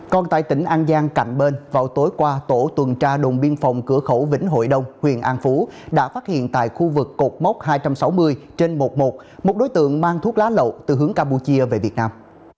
còn tại tỉnh an giang cạnh bên vào tối qua tổ tuần tra đồn biên phòng cửa khẩu vĩnh hội đông huyện an phú đã phát hiện tại khu vực cột mốc hai trăm sáu mươi trên một mươi một một đối tượng mang thuốc lá lậu từ hướng campuchia về việt nam